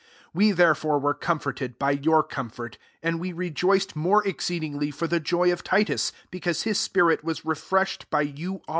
IS We, therefore, were com tled by your comfort : and ^ rejoiced more exceedingly r the joy of Titus, because \ spirit was refreshed by you